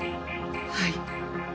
はい。